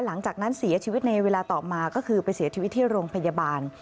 หลังจากนั้นเสียชีวิตในเวลาต่อมาก็คือไปเสียชีวิตที่โรงพยาบาล